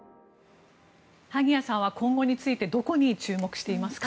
萩谷さんは今後についてどこに注目していますか？